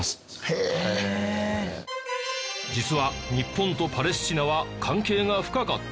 実は日本とパレスチナは関係が深かった。